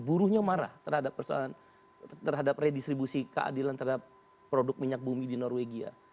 buruhnya marah terhadap redistribusi keadilan terhadap produk minyak bumi di norwegia